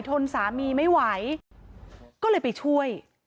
ทนสามีไม่ไหวก็เลยไปช่วย